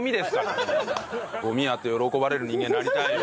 ゴミやって喜ばれる人間になりたいよ。